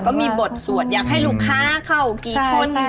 ก็มีบทสวดอยากให้ลูกค้าเข้ากี่คน